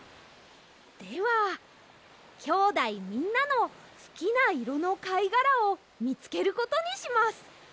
ではきょうだいみんなのすきないろのかいがらをみつけることにします。